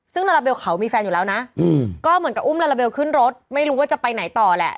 ซึ่งลาลาเบลเขามีแฟนอยู่แล้วนะก็เหมือนกับอุ้มลาลาเบลขึ้นรถไม่รู้ว่าจะไปไหนต่อแหละ